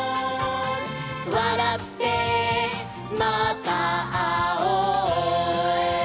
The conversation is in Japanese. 「わらってまたあおう」